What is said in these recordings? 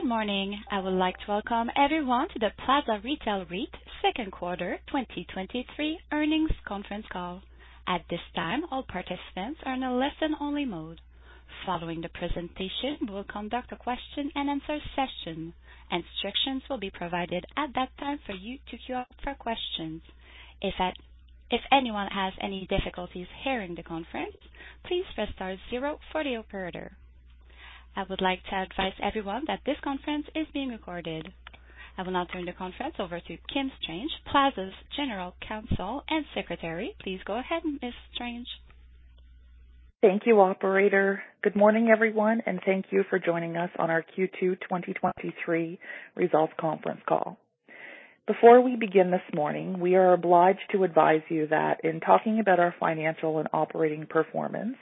Good morning. I would like to welcome everyone to the Plaza Retail REIT second quarter 2023 earnings conference call. At this time, all participants are in a listen-only mode. Following the presentation, we will conduct a question-and-answer session. Instructions will be provided at that time for you to queue up for questions. If anyone has any difficulties hearing the conference, please press star zero for the operator. I would like to advise everyone that this conference is being recorded. I will now turn the conference over to Kim Strange, Plaza's General Counsel and Secretary. Please go ahead, Ms. Strange. Thank you, Operator. Good morning, everyone. Thank you for joining us on our Q2 2023 results conference call. Before we begin this morning, we are obliged to advise you that in talking about our financial and operating performance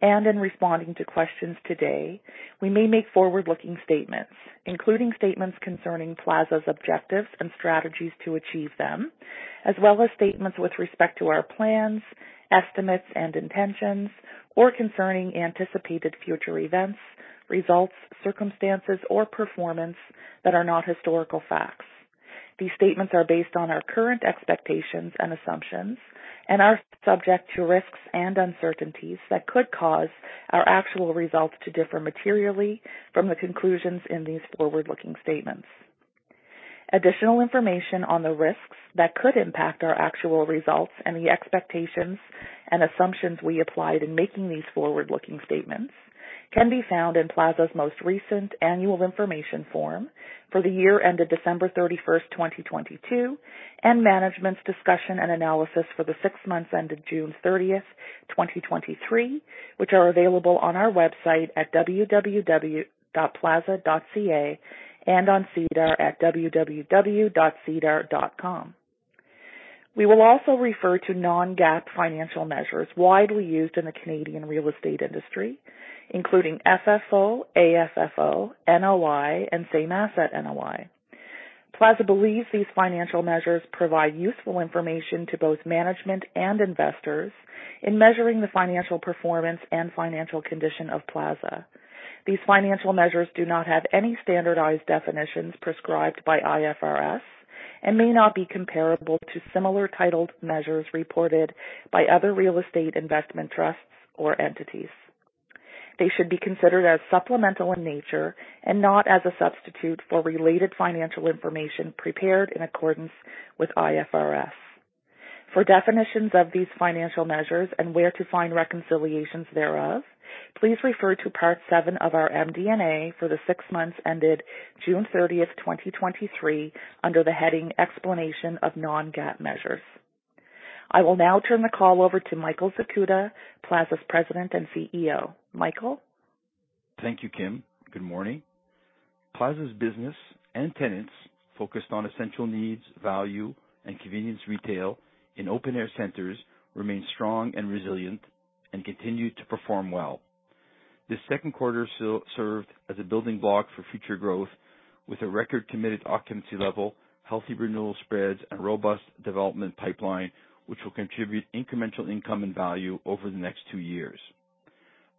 and in responding to questions today, we may make forward-looking statements, including statements concerning Plaza's objectives and strategies to achieve them, as well as statements with respect to our plans, estimates, and intentions, or concerning anticipated future events, results, circumstances, or performance that are not historical facts. These statements are based on our current expectations and assumptions and are subject to risks and uncertainties that could cause our actual results to differ materially from the conclusions in these forward-looking statements. Additional information on the risks that could impact our actual results and the expectations and assumptions we applied in making these forward-looking statements can be found in Plaza's most recent Annual Information Form for the year ended December 31st, 2022, and Management's Discussion and Analysis for the six months ended June 30th, 2023, which are available on our website at www.plaza.ca and on SEDAR at www.sedar.com. We will also refer to non-GAAP financial measures widely used in the Canadian real estate industry, including FFO, AFFO, NOI, and same-asset NOI. Plaza believes these financial measures provide useful information to both management and investors in measuring the financial performance and financial condition of Plaza. These financial measures do not have any standardized definitions prescribed by IFRS and may not be comparable to similar titled measures reported by other real estate investment trusts or entities. They should be considered as supplemental in nature and not as a substitute for related financial information prepared in accordance with IFRS. For definitions of these financial measures and where to find reconciliations thereof, please refer to part seven of our MD&A for the six months ended June 30th, 2023, under the heading explanation of non-GAAP Measures. I will now turn the call over to Michael Zakuta, Plaza's President and CEO. Michael? Thank you, Kim. Good morning. Plaza's business and tenants focused on essential needs, value, and convenience retail in open-air centers remain strong and resilient and continue to perform well. This second quarter served as a building block for future growth, with a record committed occupancy level, healthy renewal spreads, and robust development pipeline, which will contribute incremental income and value over the next two years.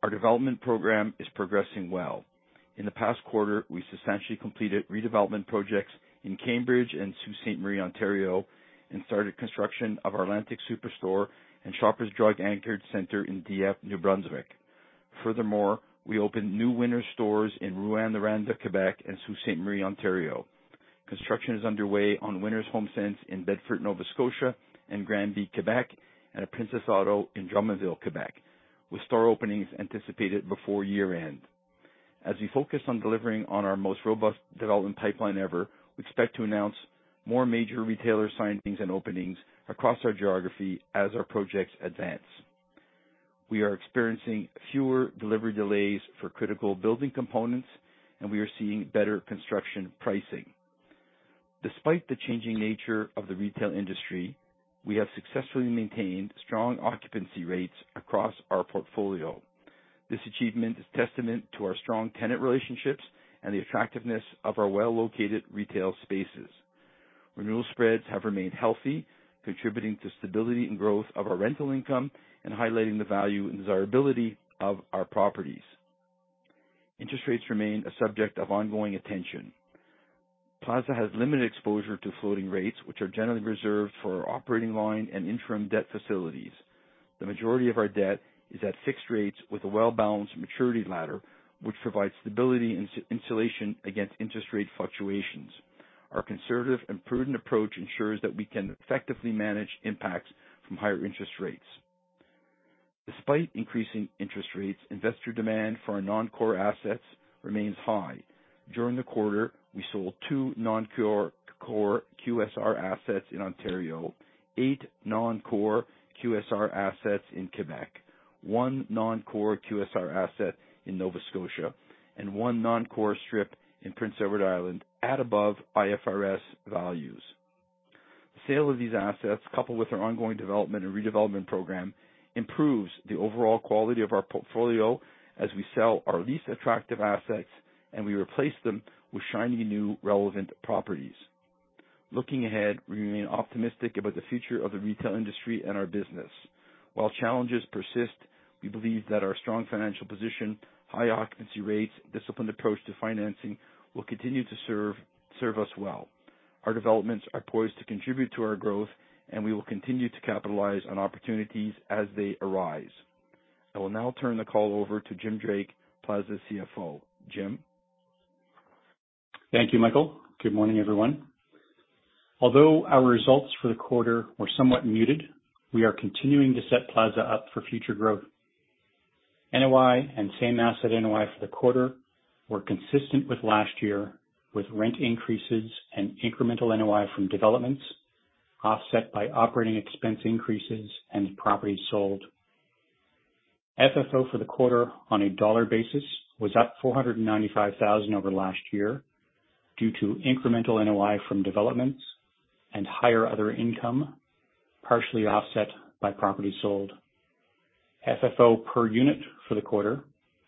Our development program is progressing well. In the past quarter, we substantially completed redevelopment projects in Cambridge and Sault Ste. Marie, Ontario, and started construction of Atlantic Superstore and Shoppers Drug-anchored centre in Dieppe, New Brunswick. We opened new Winners stores in Rouyn-Noranda, Quebec, and Sault Ste. Marie, Ontario. Construction is underway on Winners/HomeSense in Bedford, Nova Scotia and Granby, Quebec, and a Princess Auto in Drummondville, Quebec, with store openings anticipated before year-end. As we focus on delivering on our most robust development pipeline ever, we expect to announce more major retailer signings and openings across our geography as our projects advance. We are experiencing fewer delivery delays for critical building components, and we are seeing better construction pricing. Despite the changing nature of the retail industry, we have successfully maintained strong occupancy rates across our portfolio. This achievement is testament to our strong tenant relationships and the attractiveness of our well-located retail spaces. Renewal spreads have remained healthy, contributing to stability and growth of our rental income and highlighting the value and desirability of our properties. Interest rates remain a subject of ongoing attention. Plaza has limited exposure to floating rates, which are generally reserved for operating line and interim debt facilities. The majority of our debt is at fixed rates with a well-balanced maturity ladder, which provides stability and insulation against interest rate fluctuations. Our conservative and prudent approach ensures that we can effectively manage impacts from higher interest rates. Despite increasing interest rates, investor demand for our non-core assets remains high. During the quarter, we sold two non-core QSR assets in Ontario, eight non-core QSR assets in Quebec, one non-core QSR asset in Nova Scotia, and one non-core strip in Prince Edward Island at above IFRS values. The sale of these assets, coupled with our ongoing development and redevelopment program, improves the overall quality of our portfolio as we sell our least attractive assets, and we replace them with shiny, new, relevant properties. Looking ahead, we remain optimistic about the future of the retail industry and our business. While challenges persist, we believe that our strong financial position, high occupancy rates, disciplined approach to financing will continue to serve us well. Our developments are poised to contribute to our growth, and we will continue to capitalize on opportunities as they arise. I will now turn the call over to Jim Petrie, Plaza CFO. Jim? Thank you, Michael. Good morning, everyone. Although our results for the quarter were somewhat muted, we are continuing to set Plaza up for future growth. NOI and same-asset NOI for the quarter were consistent with last year, with rent increases and incremental NOI from developments, offset by operating expense increases and properties sold. FFO for the quarter on a dollar basis was up 495,000 over last year due to incremental NOI from developments and higher other income, partially offset by properties sold. FFO per unit for the quarter,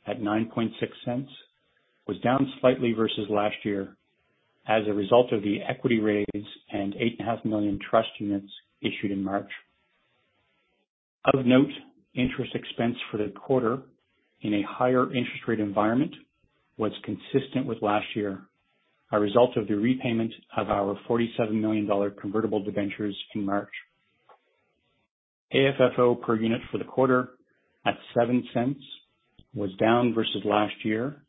at 9.06, was down slightly versus last year as a result of the equity raise and 8.5 million trust units issued in March. Of note, interest expense for the quarter, in a higher interest rate environment, was consistent with last year, a result of the repayment of our 47 million dollar convertible debentures in March. AFFO per unit for the quarter at 0.07, was down versus last year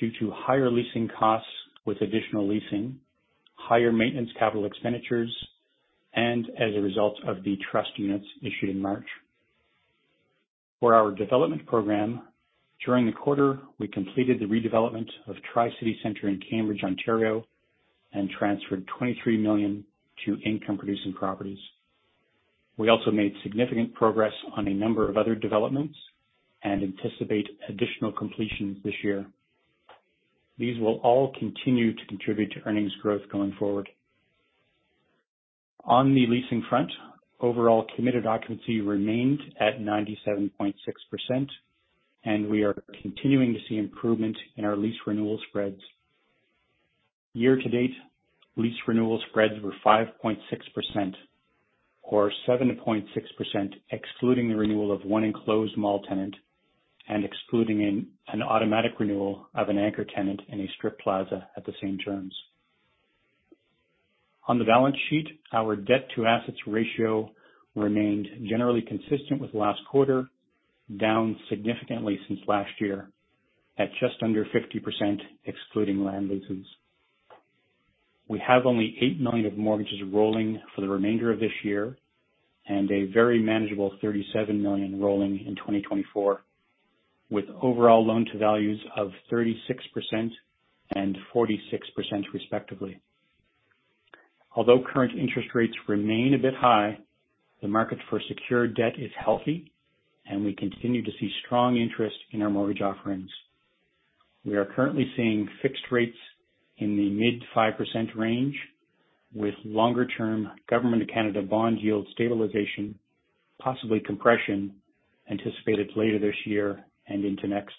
due to higher leasing costs with additional leasing, higher maintenance, capital expenditures, and as a result of the trust units issued in March. For our development program, during the quarter, we completed the redevelopment of Tri-City Centre in Cambridge, Ontario, and transferred 23 million to income-producing properties. We also made significant progress on a number of other developments and anticipate additional completions this year. These will all continue to contribute to earnings growth going forward. On the leasing front, overall committed occupancy remained at 97.6%, and we are continuing to see improvement in our lease renewal spreads. Year to date, lease renewal spreads were 5.6%, or 7.6%, excluding the renewal of one enclosed mall tenant and excluding an automatic renewal of an anchor tenant in a strip plaza at the same terms. On the balance sheet, our debt-to-assets ratio remained generally consistent with last quarter, down significantly since last year, at just under 50%, excluding land leases. We have only 8 million of mortgages rolling for the remainder of this year and a very manageable 37 million rolling in 2024, with overall loan-to-values of 36% and 46% respectively. Although current interest rates remain a bit high, the market for secured debt is healthy, and we continue to see strong interest in our mortgage offerings. We are currently seeing fixed rates in the mid-5% range, with longer-term Government of Canada bond yield stabilization, possibly compression, anticipated later this year and into next.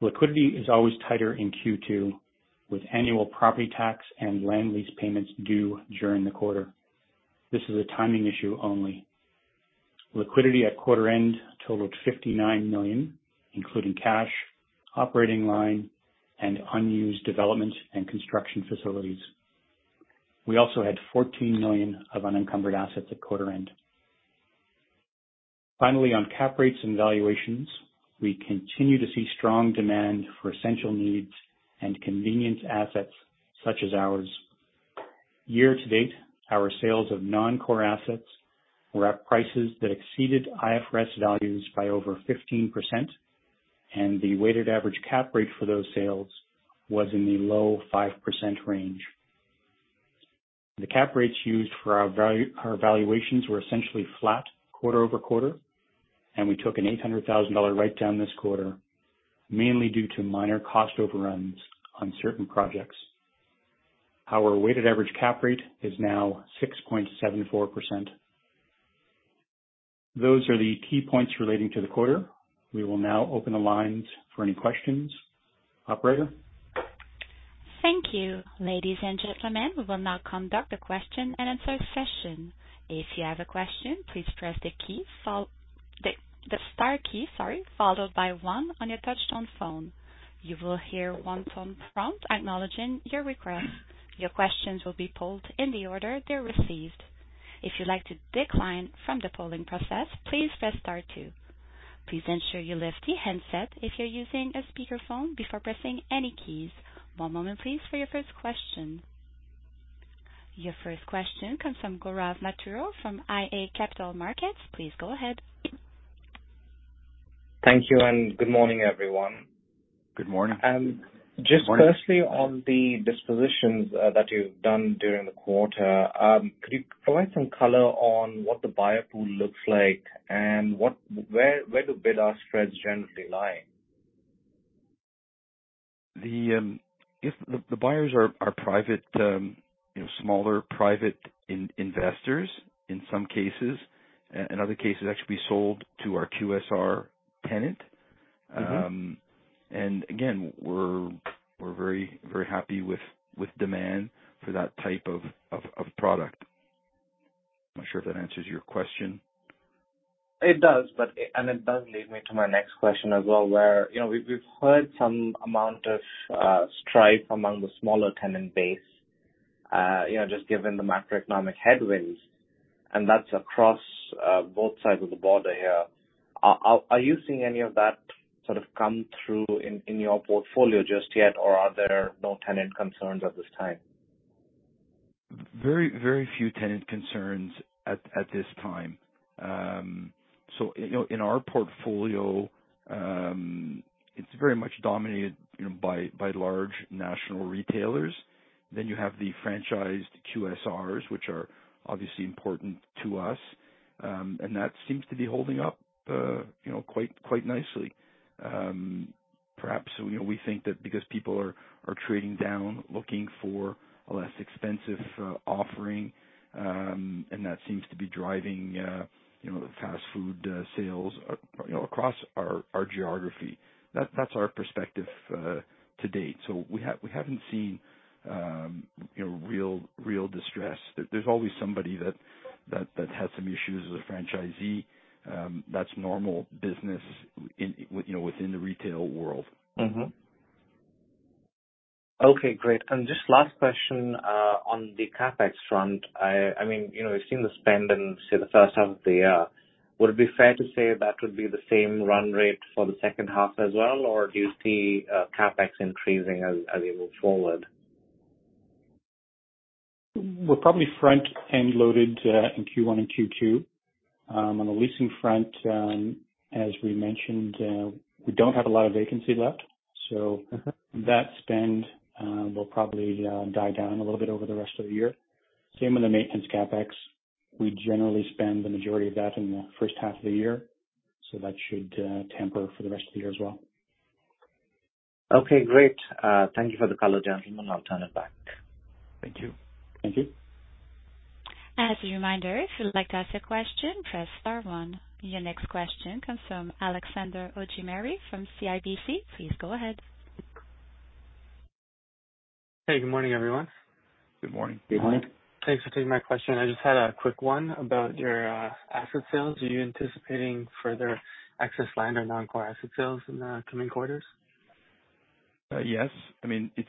Liquidity is always tighter in Q2, with annual property tax and land lease payments due during the quarter. This is a timing issue only. Liquidity at quarter end totaled 59 million, including cash, operating line, and unused development and construction facilities. We also had 14 million of unencumbered assets at quarter end. Finally, on cap rates and valuations, we continue to see strong demand for essential needs and convenience assets such as ours. Year-to-date, our sales of non-core assets were at prices that exceeded IFRS values by over 15%, and the weighted average cap rate for those sales was in the low 5% range. The cap rates used for our valuations were essentially flat quarter-over-quarter, and we took a 800,000 dollar write-down this quarter, mainly due to minor cost overruns on certain projects. Our weighted average cap rate is now 6.74%. Those are the key points relating to the quarter. We will now open the lines for any questions. Operator? Thank you. Ladies and gentlemen, we will now conduct a question-and-answer session. If you have a question, please press the key, the star key, sorry, followed by one on your touchtone phone. You will hear one tone prompt acknowledging your request. Your questions will be polled in the order they're received. If you'd like to decline from the polling process, please press star two. Please ensure you lift the handset if you're using a speakerphone before pressing any keys. One moment, please, for your first question. Your first question comes from Gaurav Mathur from iA Capital Markets. Please go ahead. Thank you. Good morning, everyone. Good morning. Just firstly, on the dispositions, that you've done during the quarter, could you provide some color on what the buyer pool looks like and where do bidder spreads generally lie? If the, the buyers are, are private, you know, smaller private investors in some cases, and in other cases, actually, we sold to our QSR tenant. Again, we're, we're very, very happy with, with demand for that type of, of, of product. I'm not sure if that answers your question? It does, but it does lead me to my next question as well, where, you know, we've, we've heard some amount of strife among the smaller tenant base, you know, just given the macroeconomic headwinds, and that's across both sides of the border here. Are you seeing any of that sort of come through in your portfolio just yet? Or are there no tenant concerns at this time? Very, very few tenant concerns at, at this time. You know, in our portfolio, it's very much dominated, you know, by, by large national retailers. You have the franchised QSRs, which are obviously important to us. That seems to be holding up, you know, quite, quite nicely. Perhaps, you know, we think that because people are, are trading down, looking for a less expensive offering, and that seems to be driving, you know, fast food sales, you know, across our, our geography. That's our perspective, to date. We haven't seen, you know, real, real distress. There's always somebody that has some issues with a franchisee. That's normal business in, you know, within the retail world. Okay, great. Just last question on the CapEx front. I, I mean, you know, we've seen the spend in, say, the first half of the year. Would it be fair to say that would be the same run rate for the second half as well, or do you see CapEx increasing as, as we move forward? We're probably front-end loaded, in Q1 and Q2. On the leasing front, as we mentioned, we don't have a lot of vacancy left. Mm-hmm. That spend will probably die down a little bit over the rest of the year. Same with the maintenance CapEx. We generally spend the majority of that in the first half of the year, that should tamper for the rest of the year as well. Okay, great. Thank you for the color, gentlemen. I'll turn it back. Thank you. Thank you. As a reminder, if you'd like to ask a question, press star one. Your next question comes from Alexander Augimeri from CIBC. Please go ahead. Hey, good morning, everyone. Good morning. Good morning. Thanks for taking my question. I just had a quick one about your asset sales. Are you anticipating further excess land or non-core asset sales in the coming quarters? Yes. I mean, it's.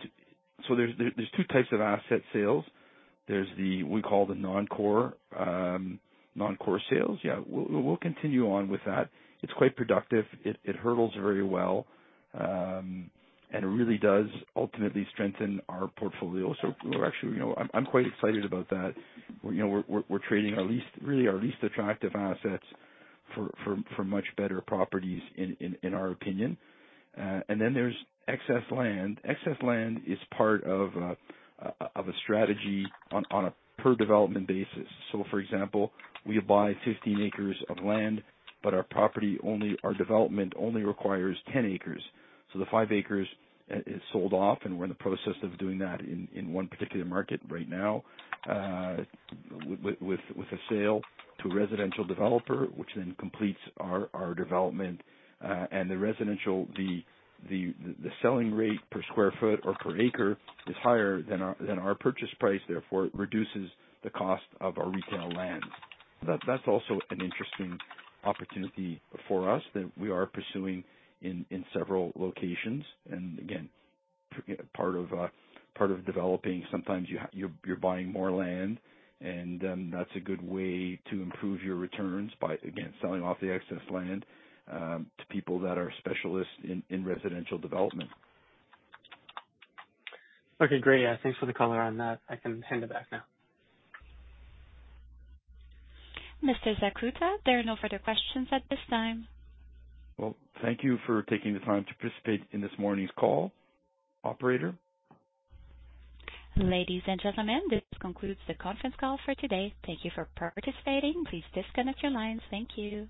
There's, there's two types of asset sales. There's the, we call the non-core, non-core sales. Yeah, we'll, we'll continue on with that. It's quite productive. It, it hurdles very well, and it really does ultimately strengthen our portfolio. We're actually, you know, I'm, I'm quite excited about that. You know, we're, we're, we're trading our least, really our least attractive assets for, for, for much better properties in, in, in our opinion. Then there's excess land. Excess land is part of a strategy on a per development basis. For example, we buy 15 acres of land, but our property only, our development only requires 10 acres. The 5 acres is sold off, and we're in the process of doing that in, in one particular market right now, with a sale to a residential developer, which then completes our, our development. The residential, the selling rate per square foot or per acre is higher than our, than our purchase price, therefore, it reduces the cost of our retail land. That's also an interesting opportunity for us that we are pursuing in, in several locations. Again, part of, part of developing, sometimes you're buying more land, and then that's a good way to improve your returns by, again, selling off the excess land, to people that are specialists in, in residential development. Okay, great. Thanks for the color on that. I can hand it back now. Mr. Zakuta, there are no further questions at this time. Well, thank you for taking the time to participate in this morning's call. Operator? Ladies and gentlemen, this concludes the conference call for today. Thank you for participating. Please disconnect your lines. Thank you.